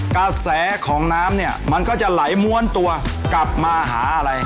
กระแสของน้ำเนี่ยมันก็จะไหลม้วนตัวกลับมาหาอะไร